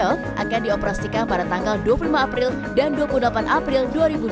dan rute ini juga akan dioperasikan pada tanggal dua puluh lima april dan dua puluh delapan april dua ribu dua puluh tiga